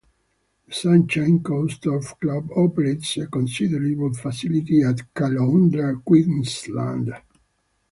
The Sunshine Coast Turf Club operates a considerable facility at Caloundra, Queensland.